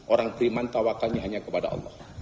orang beriman tawakalnya hanya kepada allah